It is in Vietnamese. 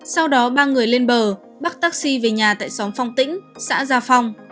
sau đó ba người lên bờ bắt taxi về nhà tại xóm phong tĩnh xã gia phong